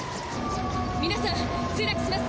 皆さん墜落します！